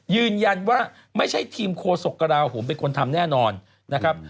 ยืนยันว่าไม่ใช่ทีมโคศกกระลาโหมเป็นคนทำแน่นอนนะครับ